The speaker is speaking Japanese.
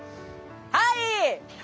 はい！